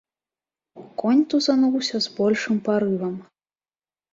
Конь тузануўся з большым парывам.